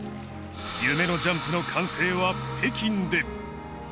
夢のジャンプの完成は北京で。